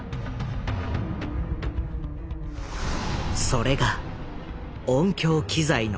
それが音響機材のケース。